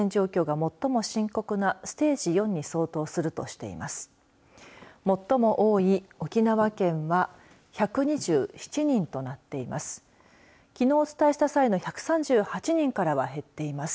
最も多い沖縄県は１２７人となっています。